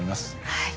はい。